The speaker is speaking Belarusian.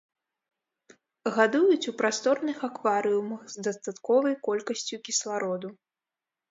Гадуюць у прасторных акварыумах з дастатковай колькасцю кіслароду.